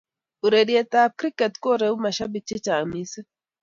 Ureruetab kriket koreu mashabik chechaang mising